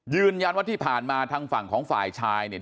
ยืนยันว่าที่ผ่านมาทางฝั่งของฝ่ายชายเนี่ย